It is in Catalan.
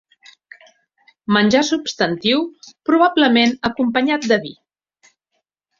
Menjar substantiu, probablement acompanyat de vi.